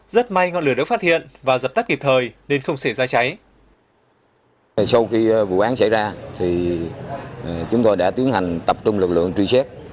rất may ngọn lửa đã phát hiện và dập tắt kịp thời nên không xảy ra cháy